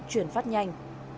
chuyển phát nhanh